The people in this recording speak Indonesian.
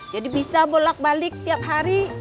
jadi bisa bolak balik tiap hari